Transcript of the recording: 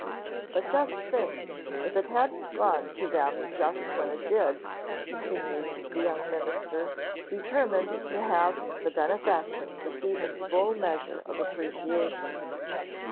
"But just think, if it hadn't gone to them just when it did," continued the young minister, determined to have the benefaction receive its full measure of appreciation.